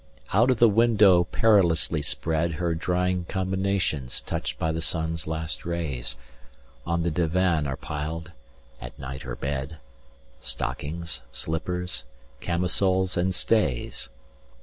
Out of the window perilously spread Her drying combinations touched by the sun's last rays, 225 On the divan are piled (at night her bed) Stockings, slippers, camisoles, and stays.